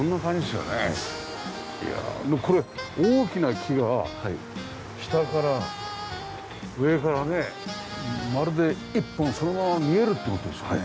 いやあこれ大きな木が下から上からねまるで一本そのまま見えるって事ですかね。